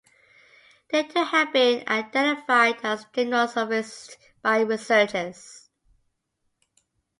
They too have been identified as gymnosophists by researchers.